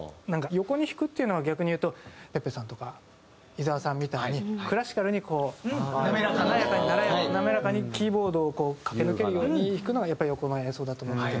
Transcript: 横に弾くっていうのは逆に言うとｐｅｐｐｅさんとか伊澤さんみたいにクラシカルにこう華やかに滑らかにキーボードを駆け抜けるように弾くのが横の演奏だと思ってて。